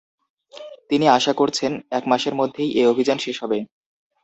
তিনি আশা করছেন, এক মাসের মধ্যেই এ অভিযান শেষ হবে।